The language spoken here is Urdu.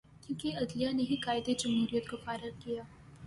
کیونکہ عدلیہ نے ہی قائد جمہوریت کو فارغ کیا۔